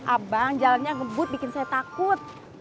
abang jalannya ngebut bikin saya takut